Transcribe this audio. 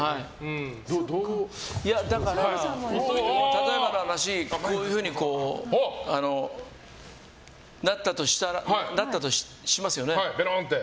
例えばの話こうなったとしますよね。